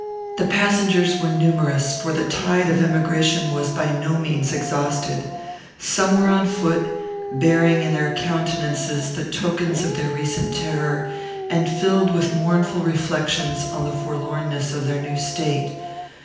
The passengers were numerous; for the tide of emigration was by no means exhausted. Some were on foot, bearing in their countenances the tokens of their recent terror, and filled with mournful reflections on the forlornness of their state.